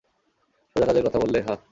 সোজা কাজের কথা বললে, হাহ?